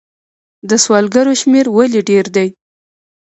د سوالګرو شمیر ولې ډیر دی؟